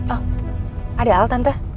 oh ada al tante